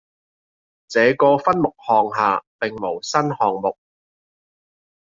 這個分目項下並無新項目